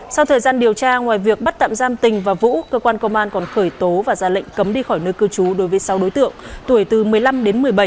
sau thời gian điều tra ngoài việc bắt tạm giam tình và vũ cơ quan công an còn khởi tố và ra lệnh cấm đi khỏi nơi cư trú đối với sáu đối tượng tuổi từ một mươi năm đến một mươi bảy